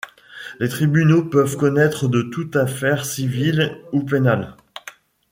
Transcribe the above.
Les tribunaux peuvent connaître de toute affaire civile ou pénale.